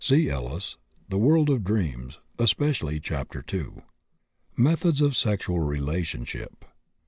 (See Ellis, The World of Dreams, especially ch. ii.) Methods of Sexual Relationship.